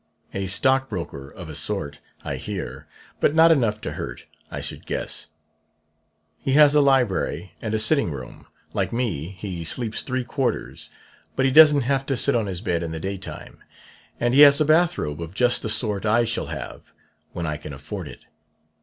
A stockbroker of a sort, I hear, but not enough to hurt, I should guess. He has a library and a sitting room. Like me, he sleeps three quarters, but he doesn't have to sit on his bed in the daytime. And he has a bathrobe of just the sort I shall have, when I can afford it.